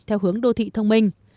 theo hướng đô thị thông minh